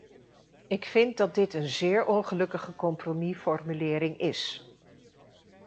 Ik vind dat dit een zeer ongelukkige compromisformulering is.